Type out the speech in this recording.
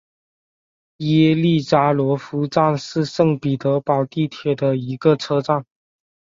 耶利扎罗夫站是圣彼得堡地铁的一个车站。